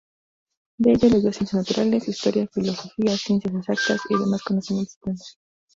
De ella leyó Ciencias Naturales, Historia, Filosofía, Ciencias Exactas, y demás conocimientos plenos.